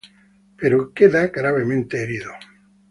Pero queda gravemente herido.